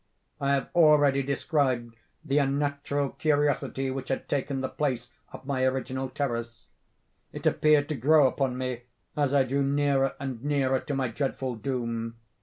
I have already described the unnatural curiosity which had taken the place of my original terrors. It appeared to grow upon me as I drew nearer and nearer to my dreadful doom.